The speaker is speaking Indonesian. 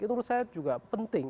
itu menurut saya juga penting